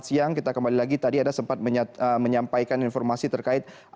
yang lebih baik